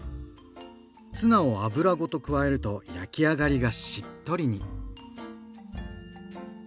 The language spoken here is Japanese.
ツナを油ごと加えると焼き上がりがしっとりに。